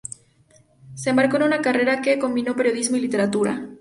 Se embarcó en una carrera que combinó periodismo y literatura.